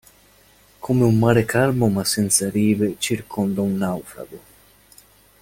Come un mare calmo ma senza rive circonda un naufrago.